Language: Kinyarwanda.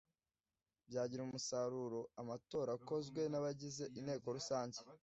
byagira umusaruro amatora akozwe n abagize inteko rusange